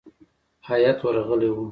هیات ورغلی وو.